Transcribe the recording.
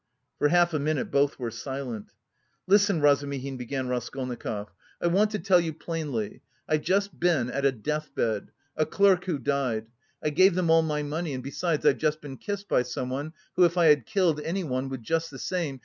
For half a minute both were silent. "Listen, Razumihin," began Raskolnikov, "I want to tell you plainly: I've just been at a death bed, a clerk who died... I gave them all my money... and besides I've just been kissed by someone who, if I had killed anyone, would just the same...